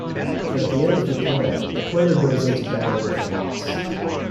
At the end of the planet, the player goes into battle with a boss.